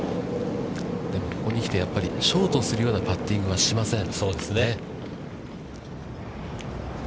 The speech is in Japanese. でも、ここに来て、ショートするようなパッティングはしません。